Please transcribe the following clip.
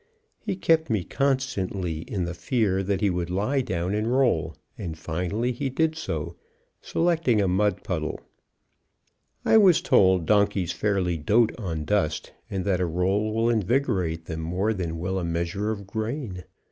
He kept me constantly in the fear that he would lie down and roll, and finally he did so, selecting a mud puddle. I was told donkeys fairly dote on dust, and that a roll will invigorate them more than will a measure of grain.